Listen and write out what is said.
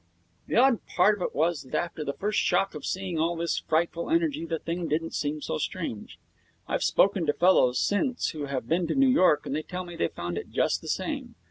The odd part of it was that after the first shock of seeing all this frightful energy the thing didn't seem so strange. I've spoken to fellows since who have been to New York, and they tell me they found it just the same.